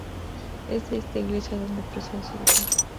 Es de esta iglesia de donde procede su retablo.